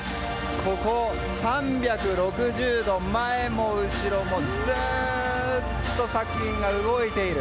ここ３６０度、前も後ろもずっと作品が動いている。